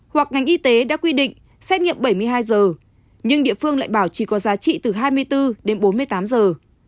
hoặc ngành y tế đã quy định xét nghiệm bảy mươi hai giờ nhưng địa phương lại bảo trì có giá trị từ hai mươi bốn đến bốn mươi tám giờ